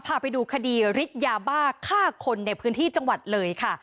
พาไปดูคดีฤทธิ์ยาบ้าฆ่าคนในพื้นที่จังหวัดเลยค่ะ